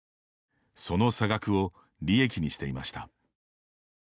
その差額を利益にしていました。